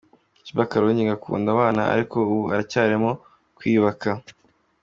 Sheebah Karungi ngo akunda abana ariko ubu aracyarimo kwiyubaka.